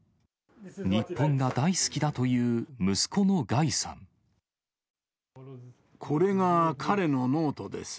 日本が大好きだという息子のこれが彼のノートです。